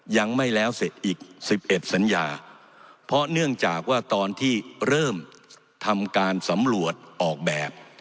ยังไม่แล้วเสร็จอีกสิบเอ็ดสัญญาเพราะเนื่องจากว่าตอนที่เริ่มทำการสำรวจออกแบบ